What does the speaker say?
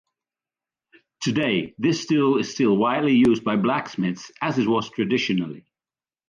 Today, this tool is still widely used by blacksmiths as it was traditionally.